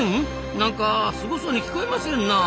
なんかスゴそうに聞こえませんなあ。